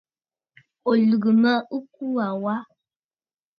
Ò lɨ̀gə̀ mə ɨkuu aa wa?